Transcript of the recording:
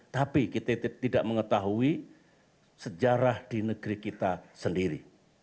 tapi kita tidak mengetahui sejarah di negeri kita sendiri